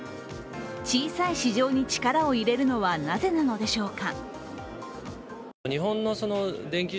小さい市場に力を入れるのはなぜなのでしょうか。